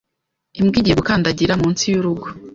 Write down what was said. Imbwa igiye gukandagira munsi y'urugo